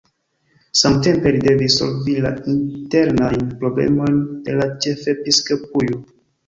Samtempe li devis solvi la internajn problemojn de la ĉefepiskopujo.